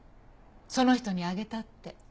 その人にあげたって。